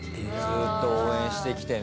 ずっと応援してきてね